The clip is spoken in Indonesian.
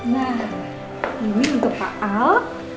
nah ini untuk pak al